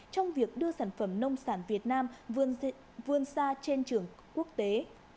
trong việc đưa sản phẩm nông sản việt nam vươn xa trên trường quốc tế